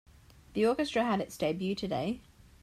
The orchestra has its debut today.